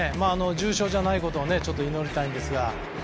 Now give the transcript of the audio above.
重傷じゃないことを祈りたいんですが。